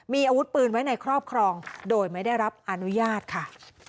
มีอาวุธปืนไว้ในครอบครองโดยไม่ได้รับอนุญาตค่ะ